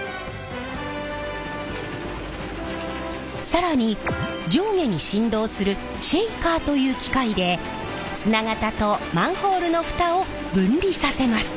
更に上下に振動するシェイカーという機械で砂型とマンホールの蓋を分離させます。